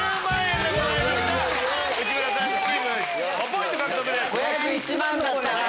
内村さんチーム５ポイント獲得。